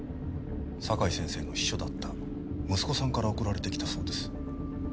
酒井先生の秘書だった息子さんから送られてきたそうです。